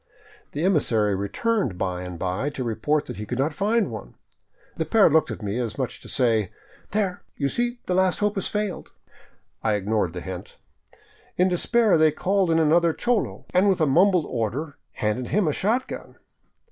The emissary returned by and by to report that he could not find one. The pair looked at me as much as to say, "There, you see the last hope has failed." I ignored the hint. In despair they called in another cholo and with a mumbled order handed him a shotgun.